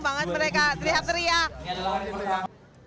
seru banget mereka teriak teriak